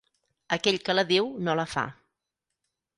Aquell que la diu no la fa.